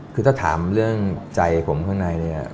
คือถ้าถามเรื่องใจผมข้างในเนี่ย